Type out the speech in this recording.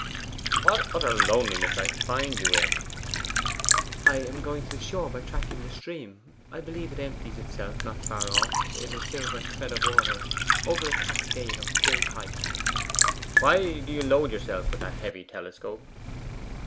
'What utter loneliness to find you in!' 'I am going to the shore by tracking the stream. I believe it empties itself not far off, in a silver thread of water, over a cascade of great height.' 'Why do you load yourself with that heavy telescope?